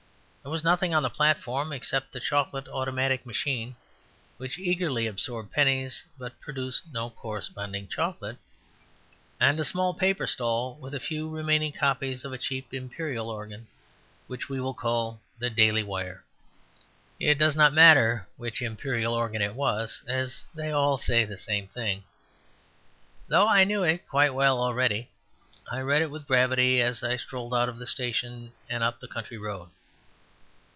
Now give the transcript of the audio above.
There was nothing on the platform except a chocolate automatic machine, which eagerly absorbed pennies but produced no corresponding chocolate, and a small paper stall with a few remaining copies of a cheap imperial organ which we will call the Daily Wire. It does not matter which imperial organ it was, as they all say the same thing. Though I knew it quite well already, I read it with gravity as I strolled out of the station and up the country road.